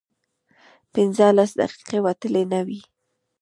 پينځلس دقيقې وتلې نه وې.